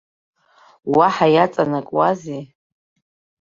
Уаҳа иаҵанакуазеи?